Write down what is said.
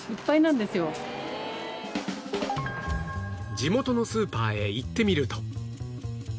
地元のスーパーへ行ってみると